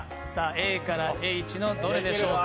ＡからＨのどれでしょうか。